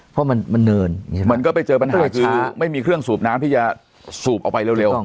เพราะมันเนินมันก็ไปเจอปัญหาคือไม่มีเครื่องสูบน้ำที่จะสูบออกไปเร็ว